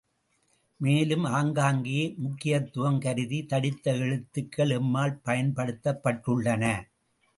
மேலும் ஆங்காங்கே முக்கியத்துவம் கருதி தடித்த எழுத்துக்கள் எம்மால் பயன்படுத்தப்பட்டுள்ளன.